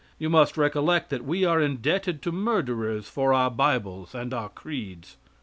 You must recollect that we are indebted to murderers for our Bibles and our creeds.